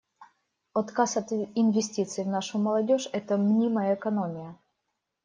Отказ от инвестиций в нашу молодежь — это мнимая экономия.